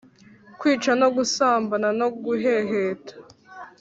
kwica no gusambana no guheheta